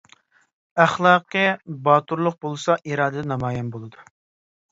ئەخلاقىي باتۇرلۇق بولسا ئىرادىدە نامايان بولىدۇ.